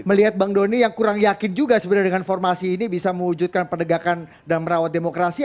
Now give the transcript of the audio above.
melihat bang doni yang kurang yakin juga sebenarnya dengan formasi ini bisa mewujudkan pendegakan dan merawat demokrasi